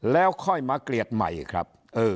แล้วค่อยมาเกลียดใหม่ครับ